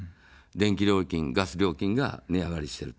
電気料金、ガス料金が値上がりしている。